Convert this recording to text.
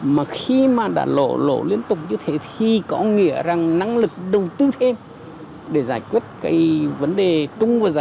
mà khi mà đã lỗ lỗ liên tục như thế thì có nghĩa rằng năng lực đầu tư thêm để giải quyết cái vấn đề tung vào dài hạn